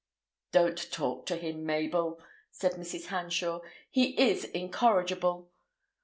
"Don't talk to him, Mabel," said Mrs. Hanshaw; "he is incorrigible.